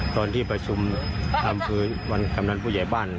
ตอนที่ประชุมอำพื้นวันกำนันผู้ใหญ่บ้าน